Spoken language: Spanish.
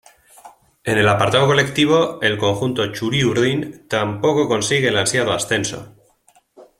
En el apartado colectivo el conjunto "txuri-urdin" tampoco consigue el ansiado ascenso.